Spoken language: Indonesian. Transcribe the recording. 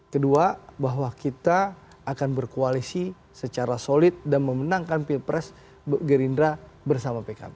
kedua bahwa kita akan berkoalisi secara solid dan memenangkan pilpres gerindra bersama pkb